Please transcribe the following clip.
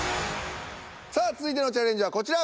さあ続いてのチャレンジはこちら。